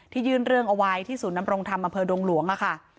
ที่ยืนเรื่องเอาไว้ที่สุนนำรงค์ธรรมอดงหลวงนะคะ